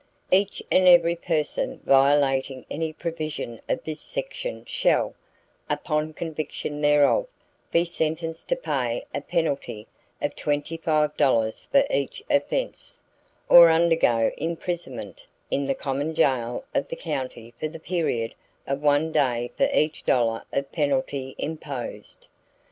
Each and every person violating any provision of this section shall, upon conviction thereof, be sentenced to pay a penalty of twenty five dollars for each offense, or undergo imprisonment in the common jail of the county for the period of one day for each dollar of penalty imposed.